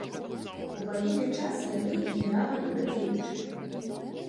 У ваенны час яны генерал-маёры дзеючыя.